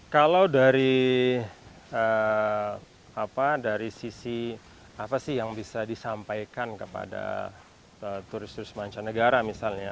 kalau dari sisi apa sih yang bisa disampaikan kepada turis turis mancanegara misalnya